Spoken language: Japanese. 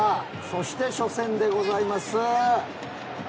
そして、初戦でございます。